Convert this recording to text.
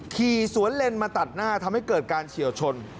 ขี่สวนเลนมาตัดหน้าทำให้เกิดการเฉียวชน